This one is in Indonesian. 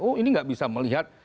oh ini nggak bisa melihat